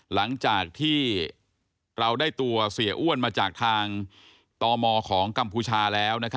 หลังจากที่เราได้ตัวเสียอ้วนมาจากทางตมของกัมพูชาแล้ว